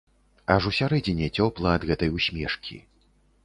Аж усярэдзіне цёпла ад гэтай усмешкі.